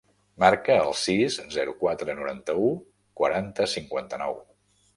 Marca el sis, zero, quatre, noranta-u, quaranta, cinquanta-nou.